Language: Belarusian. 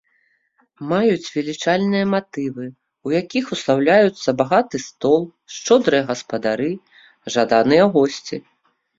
Маюць велічальныя матывы, у якіх услаўляюцца багаты стол, шчодрыя гаспадары, жаданыя госці.